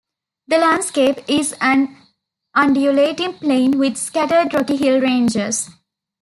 The landscape is an undulating plain with scattered rocky hill ranges.